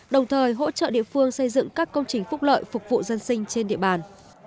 đồng thời hỗ trợ địa phương xây dựng các công trình phúc lợi phục vụ dân sinh trên địa bàn